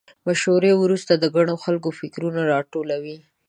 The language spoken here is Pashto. مشورې وروسته د ګڼو خلکو فکرونه راټول وي.